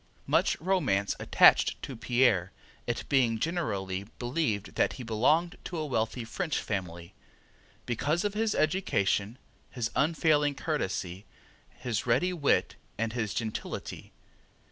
Much romance attached to Pierre, it being generally believed that he belonged to a wealthy French family, because of his education, his unfailing courtesy, his ready wit and his gentility.